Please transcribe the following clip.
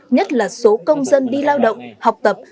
nhất là số công dân đi lao động học tập